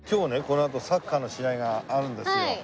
このあとサッカーの試合があるんですよ。